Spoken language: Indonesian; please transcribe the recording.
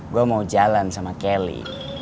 gue mau jalan sama kelly